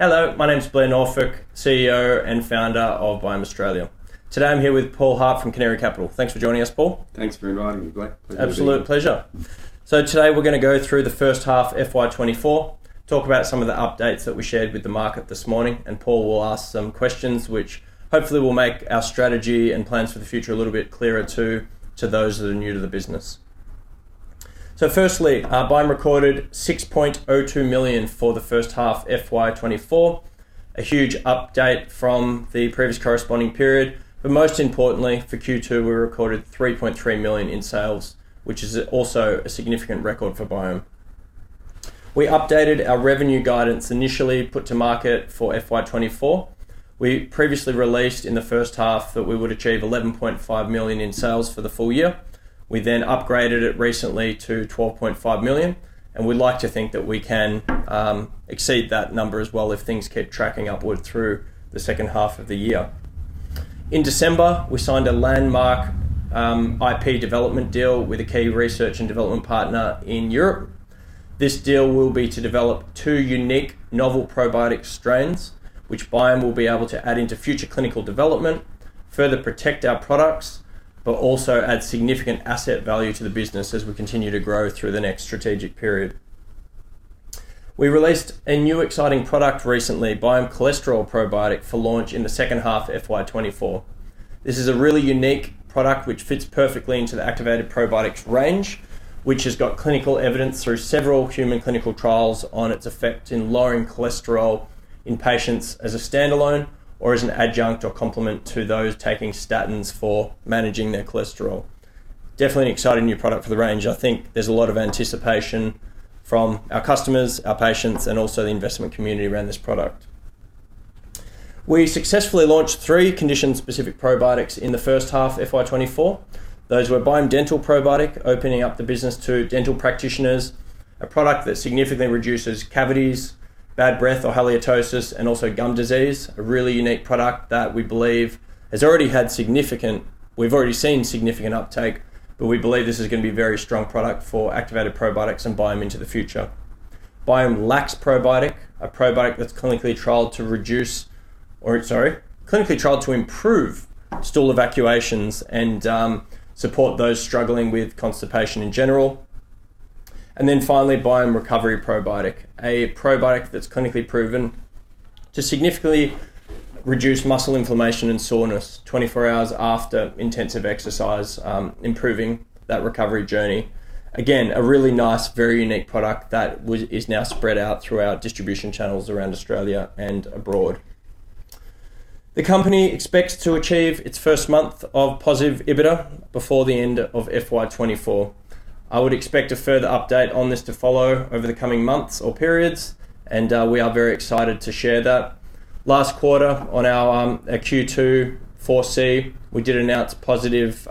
Hello, my name's Blair Norfolk, CEO and Founder of Biome Australia. Today I'm here with Paul Hart from Canary Capital. Thanks for joining us, Paul. Thanks for inviting me, Blair. Pleasure to be here. Absolute pleasure. So today we're going to go through the first half FY 2024, talk about some of the updates that we shared with the market this morning, and Paul will ask some questions which hopefully will make our strategy and plans for the future a little bit clearer to those that are new to the business. So firstly, Biome recorded 6.02 million for the first half FY 2024, a huge update from the previous corresponding period. But most importantly, for Q2 we recorded 3.3 million in sales, which is also a significant record for Biome. We updated our revenue guidance initially put to market for FY 2024. We previously released in the first half that we would achieve 11.5 million in sales for the full year. We then upgraded it recently to 12.5 million, and we'd like to think that we can exceed that number as well if things keep tracking upward through the second half of the year. In December, we signed a landmark IP development deal with a key research and development partner in Europe. This deal will be to develop two unique novel probiotic strains which Biome will be able to add into future clinical development, further protect our products, but also add significant asset value to the business as we continue to grow through the next strategic period. We released a new exciting product recently, Biome Cholesterol Probiotic, for launch in the second half FY 2024. This is a really unique product which fits perfectly into the Activated Probiotics range which has got clinical evidence through several human clinical trials on its effect in lowering cholesterol in patients as a standalone or as an adjunct or complement to those taking statins for managing their cholesterol. Definitely an exciting new product for the range. I think there's a lot of anticipation from our customers, our patients, and also the investment community around this product. We successfully launched three condition-specific probiotics in the first half FY2024. Those were Biome Dental Probiotic, opening up the business to dental practitioners, a product that significantly reduces cavities, bad breath or halitosis, and also gum disease. A really unique product that we believe has already had significant uptake, but we've already seen significant uptake, but we believe this is going to be a very strong product for Activated Probiotics and Biome into the future. Biome Lax Probiotic, a probiotic that's clinically trialed to improve stool evacuations and support those struggling with constipation in general. Then finally, Biome Recovery Probiotic, a probiotic that's clinically proven to significantly reduce muscle inflammation and soreness 24 hours after intensive exercise, improving that recovery journey. Again, a really nice, very unique product that is now spread out through our distribution channels around Australia and abroad. The company expects to achieve its first month of positive EBITDA before the end of FY 2024. I would expect a further update on this to follow over the coming months or periods, and we are very excited to share that. Last quarter on our Q2 2024 C, we did announce positive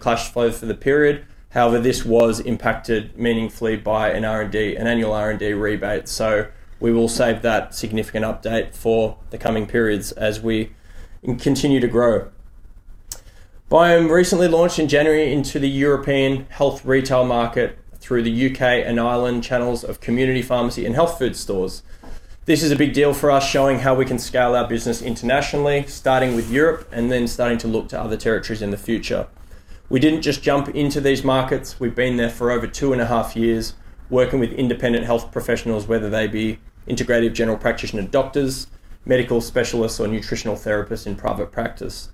cash flow for the period. However, this was impacted meaningfully by an R&D, an annual R&D rebate. So we will save that significant update for the coming periods as we continue to grow. Biome recently launched in January into the European health retail market through the U.K. and Ireland channels of community pharmacy and health food stores. This is a big deal for us, showing how we can scale our business internationally, starting with Europe and then starting to look to other territories in the future. We didn't just jump into these markets. We've been there for over 2.5 years working with independent health professionals, whether they be integrative general practitioner doctors, medical specialists, or nutritional therapists in private practice.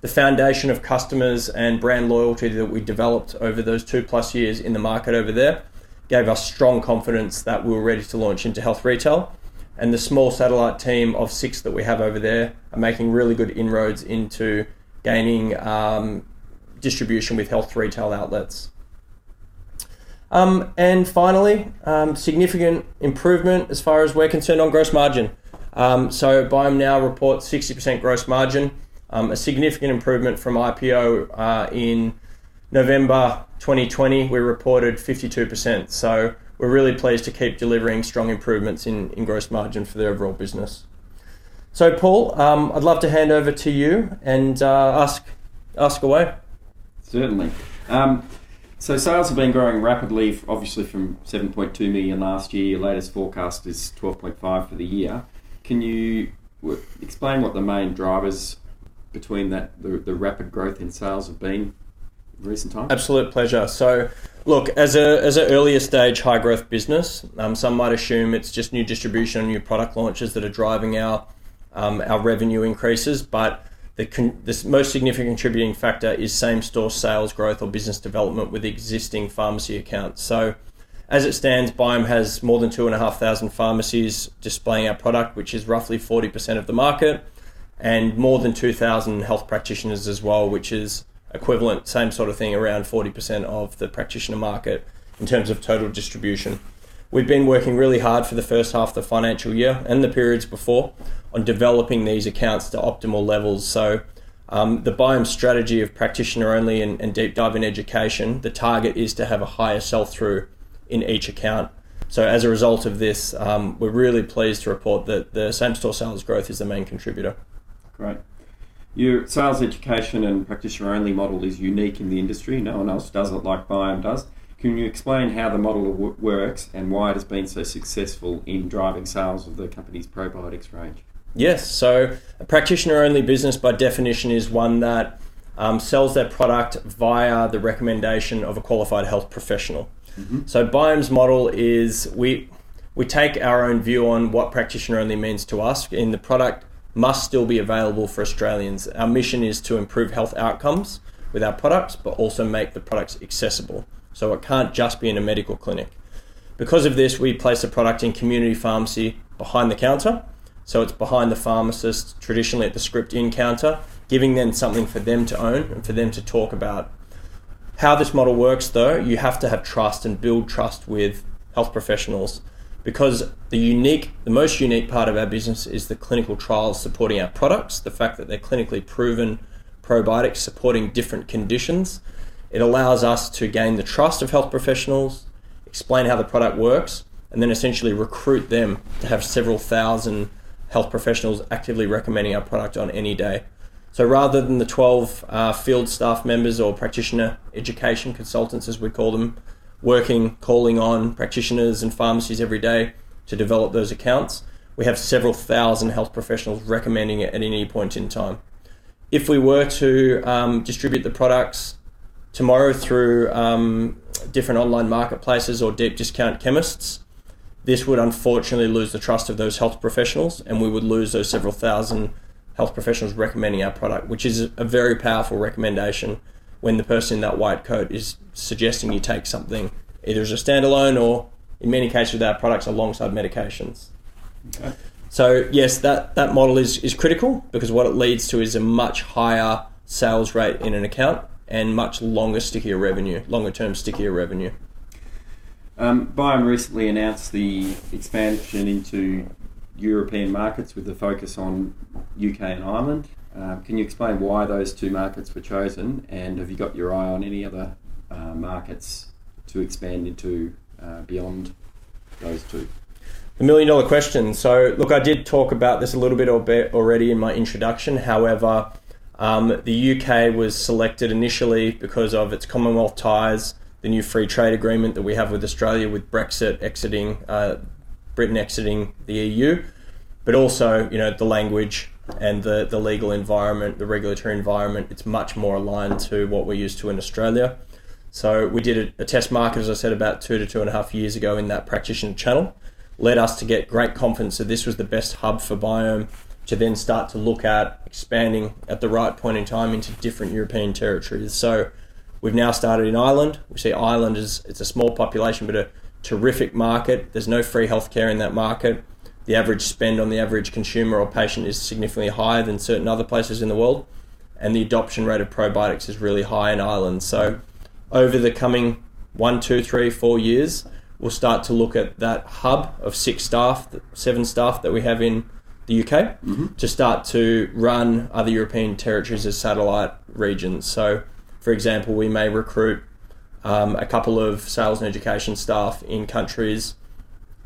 The foundation of customers and brand loyalty that we developed over those 2+ years in the market over there gave us strong confidence that we were ready to launch into health retail. The small satellite team of six that we have over there are making really good inroads into gaining distribution with health retail outlets. Finally, significant improvement as far as we're concerned on gross margin. So Biome now reports 60% gross margin, a significant improvement from IPO in November 2020. We reported 52%. So we're really pleased to keep delivering strong improvements in gross margin for the overall business. So Paul, I'd love to hand over to you and ask away. Certainly. So sales have been growing rapidly, obviously from 7.2 million last year. Your latest forecast is 12.5 million for the year. Can you explain what the main drivers between the rapid growth in sales have been in recent times? Absolute pleasure. So look, as an early-stage high-growth business, some might assume it's just new distribution and new product launches that are driving our revenue increases. But the most significant contributing factor is same-store sales growth or business development with existing pharmacy accounts. So as it stands, Biome has more than 2,500 pharmacies displaying our product, which is roughly 40% of the market, and more than 2,000 health practitioners as well, which is equivalent, same sort of thing, around 40% of the practitioner market in terms of total distribution. We've been working really hard for the first half of the financial year and the periods before on developing these accounts to optimal levels. So the Biome strategy of practitioner-only and deep-diving education, the target is to have a higher sell-through in each account. As a result of this, we're really pleased to report that the same-store sales growth is the main contributor. Great. Your sales education and practitioner-only model is unique in the industry. No one else does it like Biome does. Can you explain how the model works and why it has been so successful in driving sales of the company's probiotics range? Yes. So a practitioner-only business, by definition, is one that sells their product via the recommendation of a qualified health professional. So Biome's model is we take our own view on what practitioner-only means to us, and the product must still be available for Australians. Our mission is to improve health outcomes with our products but also make the products accessible. So it can't just be in a medical clinic. Because of this, we place a product in community pharmacy behind the counter. So it's behind the pharmacist, traditionally at the script-in counter, giving them something for them to own and for them to talk about. How this model works, though, you have to have trust and build trust with health professionals because the most unique part of our business is the clinical trials supporting our products, the fact that they're clinically proven probiotics supporting different conditions. It allows us to gain the trust of health professionals, explain how the product works, and then essentially recruit them to have several thousand health professionals actively recommending our product on any day. So rather than the 12 field staff members or practitioner education consultants, as we call them, working, calling on practitioners and pharmacies every day to develop those accounts, we have several thousand health professionals recommending it at any point in time. If we were to distribute the products tomorrow through different online marketplaces or deep-discount chemists, this would unfortunately lose the trust of those health professionals, and we would lose those several thousand health professionals recommending our product, which is a very powerful recommendation when the person in that white coat is suggesting you take something either as a standalone or, in many cases, with our products alongside medications. Yes, that model is critical because what it leads to is a much higher sales rate in an account and much longer-stickier revenue, longer-term stickier revenue. Biome recently announced the expansion into European markets with a focus on U.K. and Ireland. Can you explain why those two markets were chosen, and have you got your eye on any other markets to expand into beyond those two? The million-dollar question. So look, I did talk about this a little bit already in my introduction. However, the U.K. was selected initially because of its Commonwealth ties, the new free trade agreement that we have with Australia with Brexit exiting, Britain exiting the E.U., but also the language and the legal environment, the regulatory environment. It's much more aligned to what we're used to in Australia. So we did a test market, as I said, about 2 to 2.5 years ago in that practitioner channel, led us to get great confidence that this was the best hub for Biome to then start to look at expanding at the right point in time into different European territories. So we've now started in Ireland. We see Ireland is a small population but a terrific market. There's no free healthcare in that market. The average spend on the average consumer or patient is significantly higher than certain other places in the world, and the adoption rate of probiotics is really high in Ireland. So over the coming one, two, three, four years, we'll start to look at that hub of seven staff that we have in the U.K. to start to run other European territories as satellite regions. So for example, we may recruit a couple of sales and education staff in countries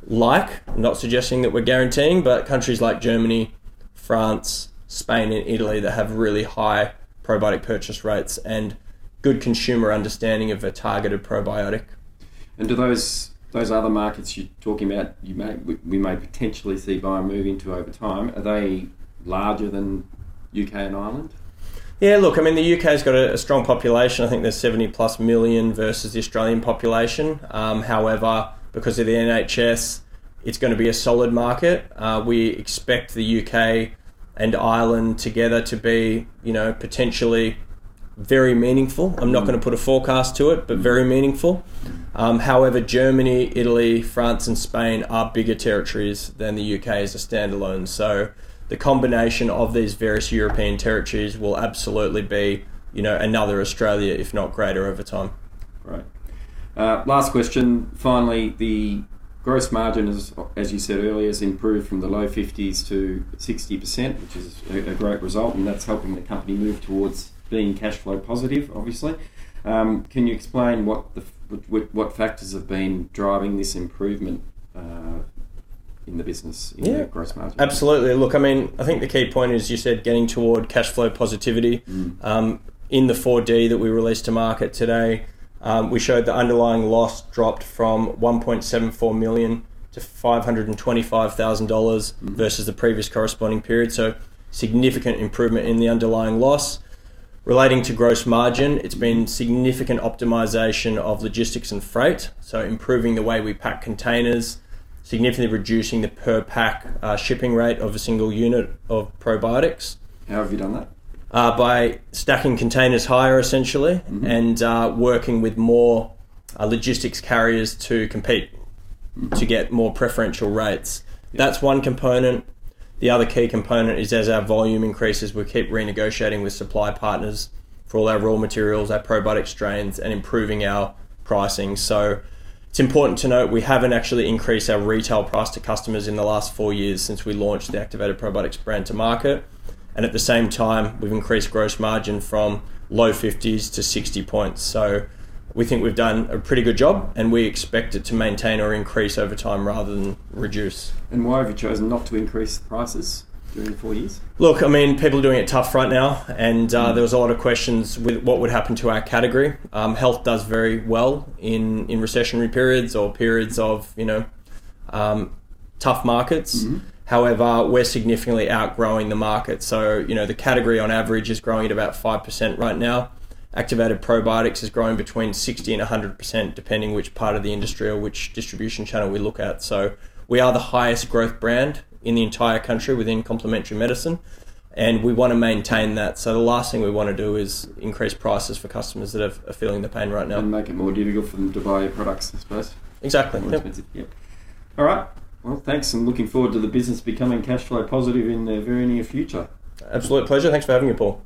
like I'm not suggesting that we're guaranteeing, but countries like Germany, France, Spain, and Italy that have really high probiotic purchase rates and good consumer understanding of a targeted probiotic. Do those other markets you're talking about, we may potentially see Biome move into over time. Are they larger than U.K. and Ireland? Yeah. Look, I mean, the U.K.'s got a strong population. I think there's 70+ million versus the Australian population. However, because of the NHS, it's going to be a solid market. We expect the U.K. and Ireland together to be potentially very meaningful. I'm not going to put a forecast to it but very meaningful. However, Germany, Italy, France, and Spain are bigger territories than the U.K. as a standalone. So the combination of these various European territories will absolutely be another Australia, if not greater, over time. Great. Last question. Finally, the gross margin, as you said earlier, has improved from the low 50s% to 60%, which is a great result, and that's helping the company move towards being cash flow positive, obviously. Can you explain what factors have been driving this improvement in the business, in the gross margin? Yeah. Absolutely. Look, I mean, I think the key point is, you said, getting toward cash flow positivity. In the 4D that we released to market today, we showed the underlying loss dropped from 1.74 million to 525,000 dollars versus the previous corresponding period. So significant improvement in the underlying loss. Relating to gross margin, it's been significant optimization of logistics and freight, so improving the way we pack containers, significantly reducing the per-pack shipping rate of a single unit of probiotics. How have you done that? By stacking containers higher, essentially, and working with more logistics carriers to compete to get more preferential rates. That's one component. The other key component is, as our volume increases, we keep renegotiating with supply partners for all our raw materials, our probiotic strains, and improving our pricing. So it's important to note we haven't actually increased our retail price to customers in the last four years since we launched the Activated Probiotics brand to market. And at the same time, we've increased gross margin from low 50s to 60 percentage points. So we think we've done a pretty good job, and we expect it to maintain or increase over time rather than reduce. Why have you chosen not to increase prices during the four years? Look, I mean, people are doing it tough right now, and there was a lot of questions with what would happen to our category. Health does very well in recessionary periods or periods of tough markets. However, we're significantly outgrowing the market. So the category, on average, is growing at about 5% right now. Activated Probiotics is growing between 60% to 100%, depending which part of the industry or which distribution channel we look at. So we are the highest-growth brand in the entire country within complementary medicine, and we want to maintain that. So the last thing we want to do is increase prices for customers that are feeling the pain right now. Make it more difficult for them to buy products, I suppose. Exactly. More expensive. Yep. All right. Well, thanks, and looking forward to the business becoming cash flow positive in the very near future. Absolute pleasure. Thanks for having me, Paul.